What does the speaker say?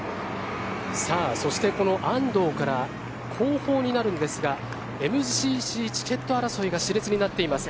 そしてこの安藤から後方になるんですがＭＧＣチケット争いがしれつになっています。